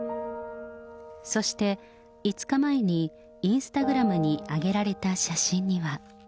そして、５日前にインスタグラムに上げられた写真には。